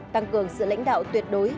căng cường sự lãnh đạo tuyệt đối